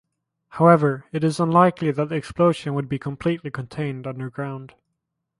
However, it is unlikely that the explosion would be completely contained underground.